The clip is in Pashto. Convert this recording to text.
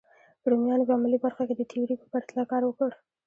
رومیانو په عملي برخه کې د تیوري په پرتله کار وکړ.